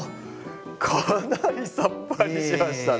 かなりさっぱりしましたね。